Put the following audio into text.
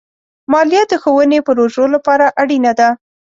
مالیه د ښوونې پروژو لپاره اړینه ده.